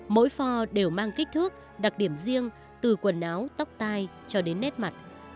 mỗi pho đều mang kích thước đặc điểm riêng từ quần áo tóc tai cho đến nét mặt